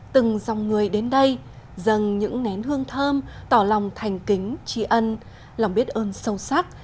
từng dòng người đến đây dần những nén hương thơm tỏ lòng thành kính tri ân lòng biết ơn sâu sắc